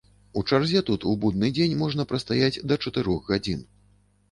У чарзе тут у будны дзень можна прастаяць да чатырох гадзін.